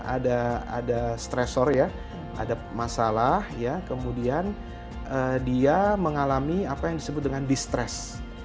ada stresor ya ada masalah kemudian dia mengalami apa yang disebut dengan distress